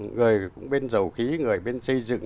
người bên dầu khí người bên xây dựng